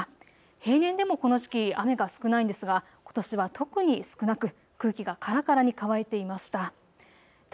平年でもこの時期、雨が少ないんですがことしは特に少なく空気がからからに乾いていました。